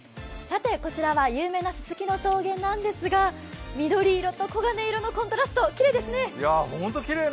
こちらは有名なすすきの草原なんですが緑色と黄金色のコントラスト、きれいですね。